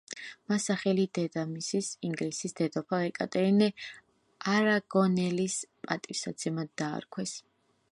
მას სახელი დეიდამისის, ინგლისის დედოფალ ეკატერინე არაგონელის პატივსაცემად დაარქვეს.